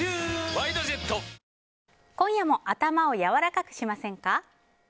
今夜も頭をやわらかくしませんか？